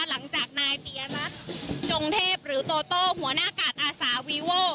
หลังจากนายปียรัฐจงเทพหรือโตโต้หัวหน้ากาดอาสาวีโว่